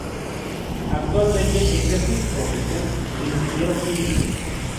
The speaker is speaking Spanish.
Actualmente ejerce su profesión de ingeniero químico.